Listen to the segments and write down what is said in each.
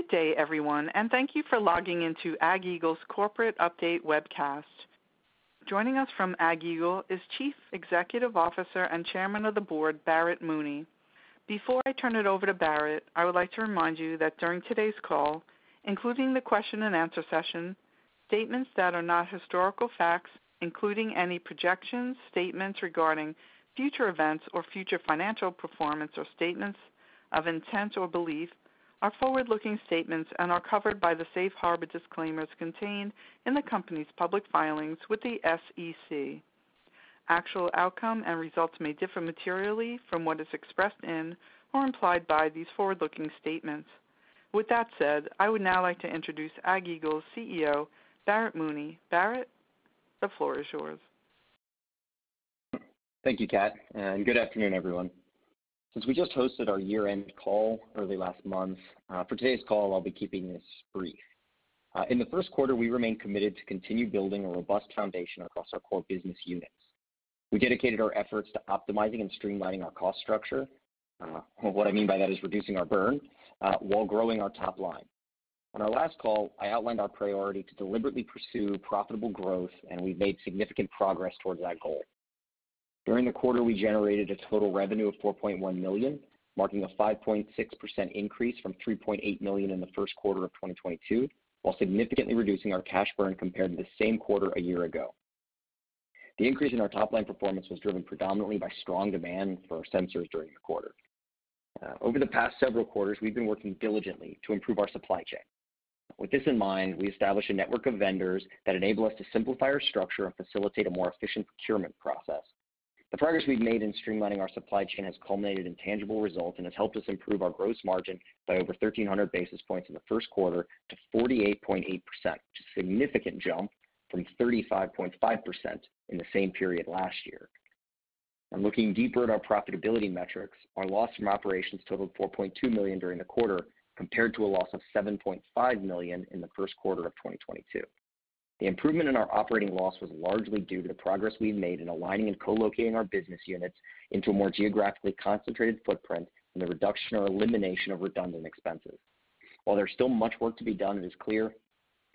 Good day, everyone, and thank you for logging into AgEagle's Corporate Update webcast. Joining us from AgEagle is Chief Executive Officer and Chairman of the Board, Barrett Mooney. Before I turn it over to Barrett, I would like to remind you that during today's call, including the question and answer session, statements that are not historical facts, including any projections, statements regarding future events or future financial performance, or statements of intent or belief are forward-looking statements and are covered by the safe harbor disclaimers contained in the company's public filings with the SEC. Actual outcome and results may differ materially from what is expressed in or implied by these forward-looking statements. With that said, I would now like to introduce AgEagle's CEO, Barrett Mooney. Barrett, the floor is yours. Thank you, Kat. Good afternoon, everyone. Since we just hosted our year-end call early last month, for today's call, I'll be keeping this brief. In the first quarter, we remained committed to continue building a robust foundation across our core business units. We dedicated our efforts to optimizing and streamlining our cost structure. What I mean by that is reducing our burn, while growing our top line. On our last call, I outlined our priority to deliberately pursue profitable growth, and we've made significant progress towards that goal. During the quarter, we generated a total revenue of $4.1 million, marking a 5.6% increase from $3.8 million in the first quarter of 2022, while significantly reducing our cash burn compared to the same quarter a year ago. The increase in our top-line performance was driven predominantly by strong demand for our sensors during the quarter. Over the past several quarters, we've been working diligently to improve our supply chain. With this in mind, we established a network of vendors that enable us to simplify our structure and facilitate a more efficient procurement process. The progress we've made in streamlining our supply chain has culminated in tangible results and has helped us improve our gross margin by over 1,300 basis points in the first quarter to 48.8%, which is a significant jump from 35.5% in the same period last year. Looking deeper at our profitability metrics, our loss from operations totaled $4.2 million during the quarter, compared to a loss of $7.5 million in the first quarter of 2022. The improvement in our operating loss was largely due to the progress we've made in aligning and co-locating our business units into a more geographically concentrated footprint and the reduction or elimination of redundant expenses. While there's still much work to be done, it is clear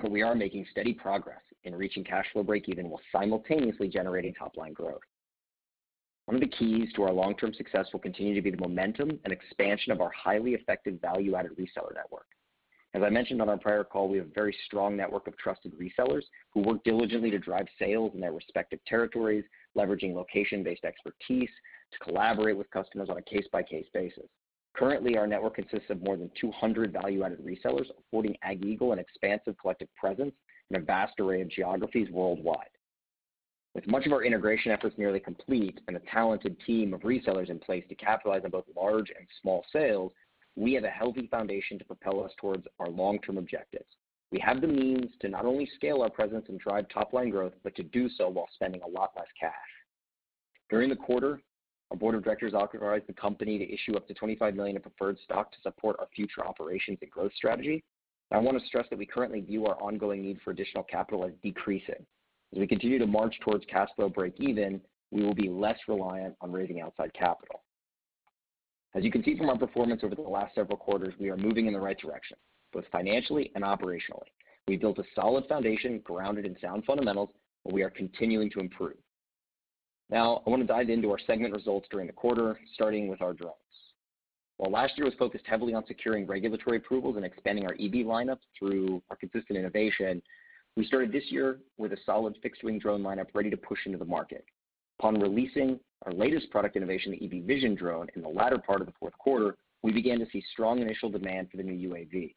that we are making steady progress in reaching cash flow breakeven while simultaneously generating top-line growth. One of the keys to our long-term success will continue to be the momentum and expansion of our highly effective value-added reseller network. As I mentioned on our prior call, we have a very strong network of trusted resellers who work diligently to drive sales in their respective territories, leveraging location-based expertise to collaborate with customers on a case-by-case basis. Currently, our network consists of more than 200 value-added resellers, affording AgEagle an expansive collective presence in a vast array of geographies worldwide. With much of our integration efforts nearly complete and a talented team of resellers in place to capitalize on both large and small sales, we have a healthy foundation to propel us towards our long-term objectives. We have the means to not only scale our presence and drive top-line growth, but to do so while spending a lot less cash. During the quarter, our board of directors authorized the company to issue up to $25 million in preferred stock to support our future operations and growth strategy. I want to stress that we currently view our ongoing need for additional capital as decreasing. As we continue to march towards cash flow breakeven, we will be less reliant on raising outside capital. As you can see from our performance over the last several quarters, we are moving in the right direction, both financially and operationally. We've built a solid foundation grounded in sound fundamentals, and we are continuing to improve. I want to dive into our segment results during the quarter, starting with our drones. While last year was focused heavily on securing regulatory approvals and expanding our eBee lineup through our consistent innovation, we started this year with a solid fixed-wing drone lineup ready to push into the market. Upon releasing our latest product innovation, the eBee VISION drone, in the latter part of the fourth quarter, we began to see strong initial demand for the new UAV.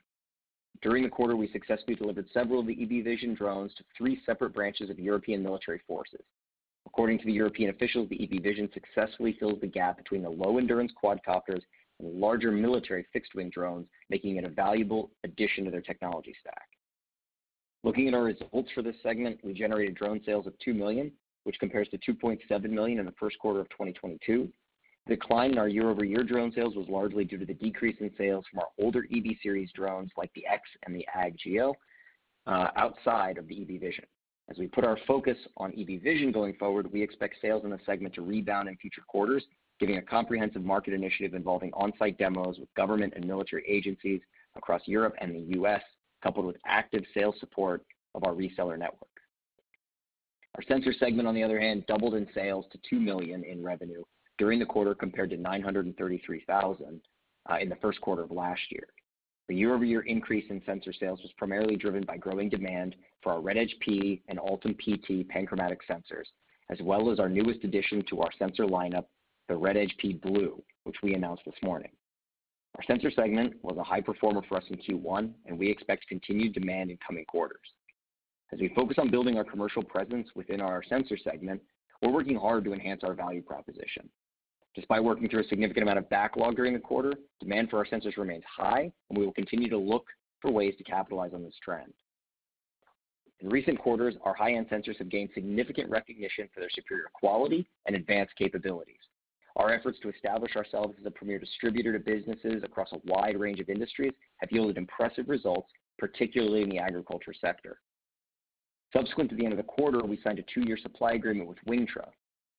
During the quarter, we successfully delivered several of the eBee VISION drones to three separate branches of European military forces. According to the European officials, the eBee VISION successfully fills the gap between the low-endurance quadcopters and the larger military fixed-wing drones, making it a valuable addition to their technology stack. Looking at our results for this segment, we generated drone sales of $2 million, which compares to $2.7 million in the first quarter of 2022. The decline in our year-over-year drone sales was largely due to the decrease in sales from our older eBee series drones, like the X and the eBee Geo, outside of the eBee VISION. As we put our focus on eBee VISION going forward, we expect sales in the segment to rebound in future quarters, giving a comprehensive market initiative involving on-site demos with government and military agencies across Europe and the U.S., coupled with active sales support of our reseller network. Our sensor segment, on the other hand, doubled in sales to $2 million in revenue during the quarter, compared to $933,000 in the first quarter of last year. The year-over-year increase in sensor sales was primarily driven by growing demand for our RedEdge-P and Altum-PT panchromatic sensors, as well as our newest addition to our sensor lineup, the RedEdge-P blue, which we announced this morning. Our sensor segment was a high performer for us in Q1, and we expect continued demand in coming quarters. As we focus on building our commercial presence within our sensor segment, we're working hard to enhance our value proposition. Despite working through a significant amount of backlog during the quarter, demand for our sensors remains high, and we will continue to look for ways to capitalize on this trend. In recent quarters, our high-end sensors have gained significant recognition for their superior quality and advanced capabilities. Our efforts to establish ourselves as a premier distributor to businesses across a wide range of industries have yielded impressive results, particularly in the agriculture sector. Subsequent to the end of the quarter, we signed a two-year supply agreement with Wingtra.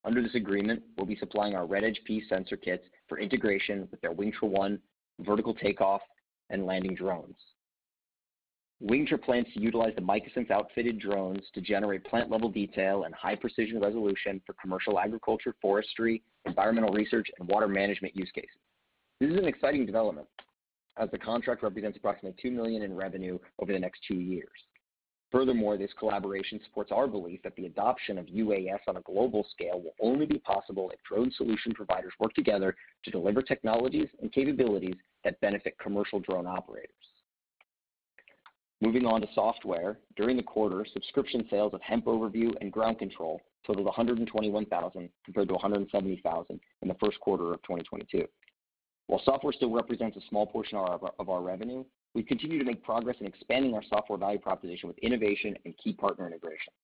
Under this agreement, we'll be supplying our RedEdge-P sensor kits for integration with their WingtraOne vertical takeoff and landing drones. Wingtra plans to utilize the MicaSense outfitted drones to generate plant-level detail and high-precision resolution for commercial agriculture, forestry, environmental research, and water management use cases. This is an exciting development as the contract represents approximately $2 million in revenue over the next two years. This collaboration supports our belief that the adoption of UAS on a global scale will only be possible if drone solution providers work together to deliver technologies and capabilities that benefit commercial drone operators. Moving on to software. During the quarter, subscription sales of HempOverview and Ground Control totaled $121,000, compared to $170,000 in the first quarter of 2022. While software still represents a small portion of our revenue, we continue to make progress in expanding our software value proposition with innovation and key partner integrations.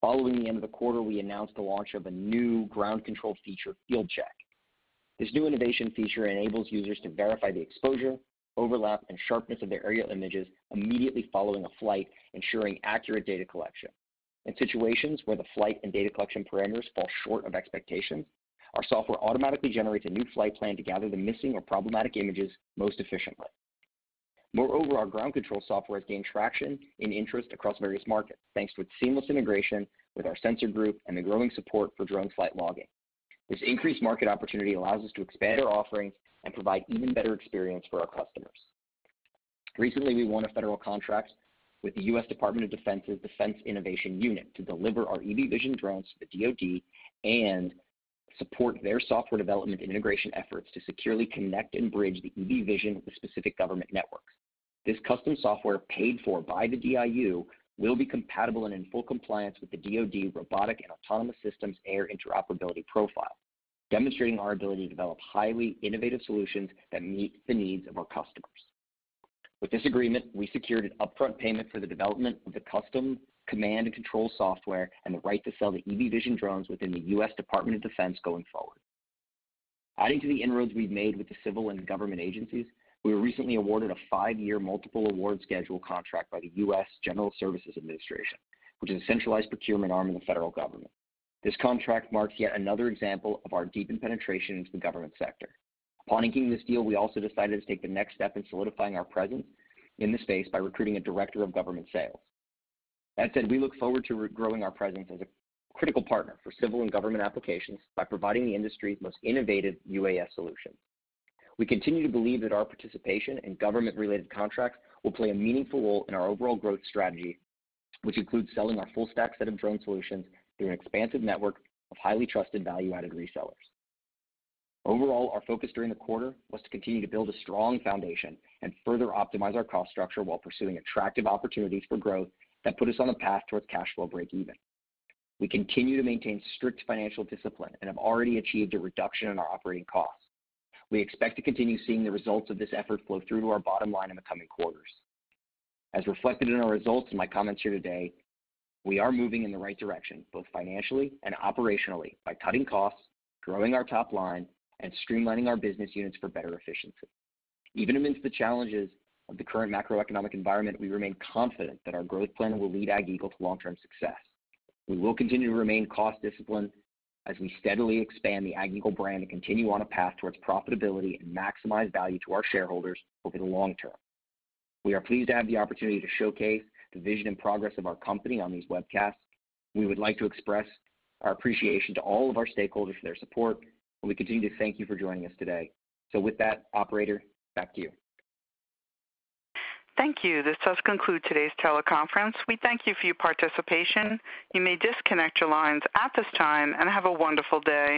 Following the end of the quarter, we announced the launch of a new Ground Control feature, Field Check. This new innovation feature enables users to verify the exposure, overlap, and sharpness of their aerial images immediately following a flight, ensuring accurate data collection. In situations where the flight and data collection parameters fall short of expectations, our software automatically generates a new flight plan to gather the missing or problematic images most efficiently. Our Ground Control software has gained traction and interest across various markets, thanks to its seamless integration with our sensor group and the growing support for drone flight logging. This increased market opportunity allows us to expand our offerings and provide even better experience for our customers. Recently, we won a federal contract with the U.S. Department of Defense's Defense Innovation Unit to deliver our eBee VISION drones to the DoD and support their software development and integration efforts to securely connect and bridge the eBee VISION with the specific government networks. This custom software, paid for by the DIU, will be compatible and in full compliance with the DoD Robotic and Autonomous Systems-Air (RAS-A) Interoperability Profile, demonstrating our ability to develop highly innovative solutions that meet the needs of our customers. With this agreement, we secured an upfront payment for the development of the custom command and control software and the right to sell the eBee VISION drones within the U.S. Department of Defense going forward. Adding to the inroads we've made with the civil and government agencies, we were recently awarded a five-year Multiple Award Schedule contract by the U.S. General Services Administration, which is a centralized procurement arm of the federal government. This contract marks yet another example of our deepened penetration into the government sector. Upon inking this deal, we also decided to take the next step in solidifying our presence in the space by recruiting a director of government sales. That said, we look forward to growing our presence as a critical partner for civil and government applications by providing the industry's most innovative UAS solutions. We continue to believe that our participation in government-related contracts will play a meaningful role in our overall growth strategy, which includes selling our full stack set of drone solutions through an expansive network of highly trusted value-added resellers. Overall, our focus during the quarter was to continue to build a strong foundation and further optimize our cost structure while pursuing attractive opportunities for growth that put us on the path towards cash flow breakeven. We continue to maintain strict financial discipline and have already achieved a reduction in our operating costs. We expect to continue seeing the results of this effort flow through to our bottom line in the coming quarters. As reflected in our results and my comments here today, we are moving in the right direction, both financially and operationally, by cutting costs, growing our top line, and streamlining our business units for better efficiency. Even amidst the challenges of the current macroeconomic environment, we remain confident that our growth plan will lead AgEagle to long-term success. We will continue to remain cost-disciplined as we steadily expand the AgEagle brand and continue on a path towards profitability and maximize value to our shareholders over the long term. We are pleased to have the opportunity to showcase the vision and progress of our company on these webcasts. We would like to express our appreciation to all of our stakeholders for their support, and we continue to thank you for joining us today. With that, operator, back to you. Thank you. This does conclude today's teleconference. We thank you for your participation. You may disconnect your lines at this time, and have a wonderful day.